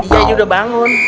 iya dia udah bangun